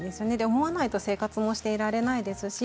思わないと生活もしていられないですし。